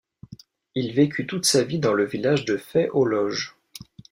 Il vécut toute sa vie dans le village de Fay-aux-Loges.